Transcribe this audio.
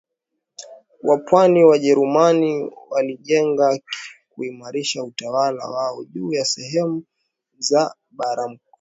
wa pwani Wajerumani walilenga kuimarisha utawala wao juu ya sehemu za baraMkwawa aliwahi